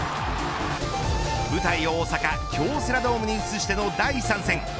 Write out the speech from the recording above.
舞台を大阪京セラドームに移しての第３戦。